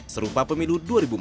serupa pemilu dua ribu empat belas